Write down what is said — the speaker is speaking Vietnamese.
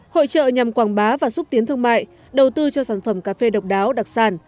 hội trợ nhằm quảng bá và xúc tiến thương mại đầu tư cho sản phẩm cà phê độc đáo đặc sản